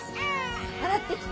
洗ってきて。